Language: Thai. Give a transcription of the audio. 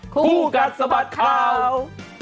คู่กัดสะบัดข่าว